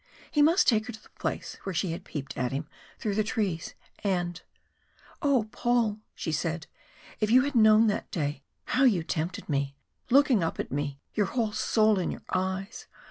He must take her to the place where she had peeped at him through the trees. And "Oh! Paul!" she said. "If you had known that day, how you tempted me, looking up at me, your whole soul in your eyes!